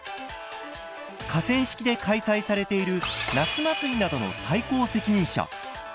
河川敷で開催されている夏祭りなどの最高責任者。